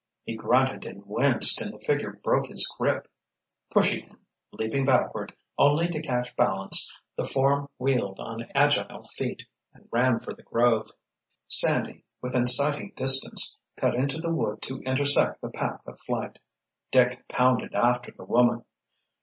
He grunted and winced and the figure broke his grip. Pushing him, leaping backward, only to catch balance, the form wheeled on agile feet and ran for the grove. Sandy, within sighting distance, cut into the wood to intersect the path of flight. Dick pounded after the woman.